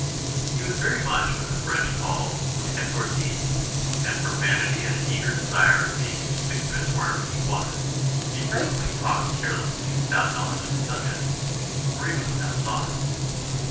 ] "He was very much what the French call un étourdi, and from vanity and an eager desire of being conspicuous wherever he was, he frequently talked carelessly without knowledge of the subject, or even without thought.